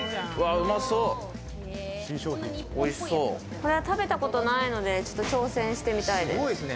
これは食べたことがないので挑戦してみたいです。